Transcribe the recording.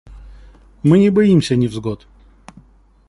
Мы не боимся невзгод.